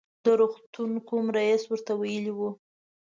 د روغتون کوم رئیس ورته ویلي و.